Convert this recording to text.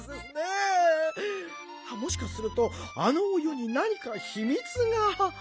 あっもしかするとあのお湯になにかひみつが？